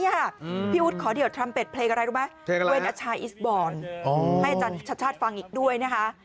อ๋อให้อาจารย์ชัดฟังอีกด้วยนะครับ